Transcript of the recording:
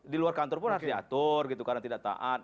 di luar kantor pun harus diatur gitu karena tidak taat